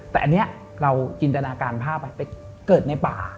แต่อันนี้เราจินตนาการภาพไปไปเกิดในป่า